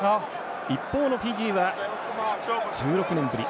一方のフィジーは１６年ぶり。